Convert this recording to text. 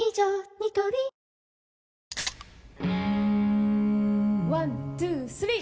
ニトリワン・ツー・スリー！